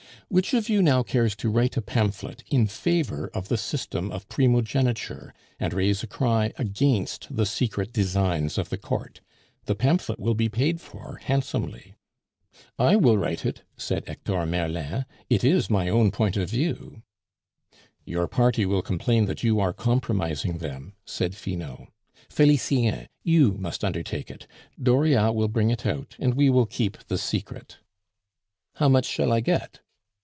Which of you now cares to write a pamphlet in favor of the system of primogeniture, and raise a cry against the secret designs of the Court? The pamphlet will be paid for handsomely." "I will write it," said Hector Merlin. "It is my own point of view." "Your party will complain that you are compromising them," said Finot. "Felicien, you must undertake it; Dauriat will bring it out, and we will keep the secret." "How much shall I get?"